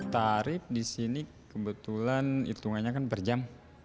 tarif di sini kebetulan hitungannya kan per jam